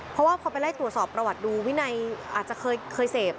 เพราะว่าพอไปไล่ตรวจสอบประวัติดูวินัยอาจจะเคยเสพ